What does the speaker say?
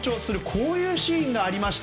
こういうシーンがありました。